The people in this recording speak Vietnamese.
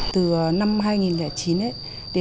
từ năm hai nghìn chín ấy